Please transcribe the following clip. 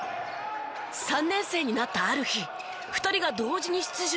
３年生になったある日２人が同時に出場。